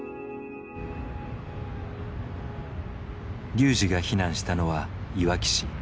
ＲＹＵＪＩが避難したのはいわき市。